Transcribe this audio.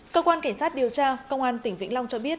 cơ quan cảnh sát điều tra công an tỉnh vĩnh long cho biết